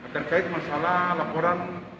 terkait masalah laporan